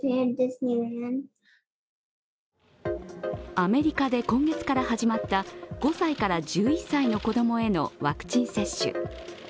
アメリカで今月から始まった５歳から１１歳の子供へのワクチン接種。